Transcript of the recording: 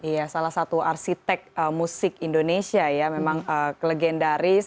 iya salah satu arsitek musik indonesia ya memang legendaris